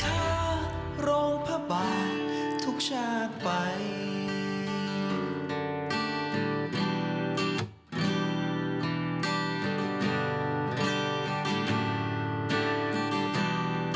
ท่านคือพระราชาในรุ่นของภูมิประชาชาไทยภูมิสฤทธิ์ในหัวใจและรอดมา